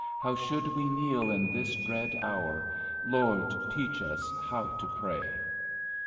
How should we kneel in this dread hour? Lord, teach us how to pray.